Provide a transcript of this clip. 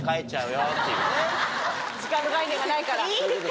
時間の概念がないから。